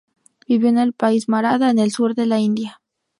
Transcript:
Vivió en el país Maratha, en el sur de la India.